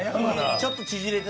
ちょっと縮れた。